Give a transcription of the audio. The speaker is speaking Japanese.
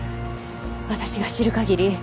私が知る限り。